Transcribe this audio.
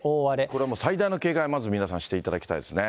これは最大の警戒、まず皆さんしていただきたいですね。